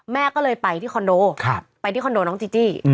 แม่ก็เลยไปที่คอนโดไปที่คอนโดน้องจีจี้